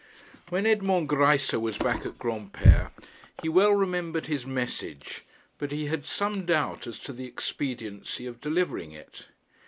When Edmond Greisse was back at Granpere he well remembered his message, but he had some doubt as to the expediency of delivering it.